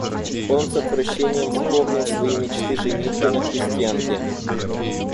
Он с отвращением вспомнил свои мечты женитьбы на крестьянке.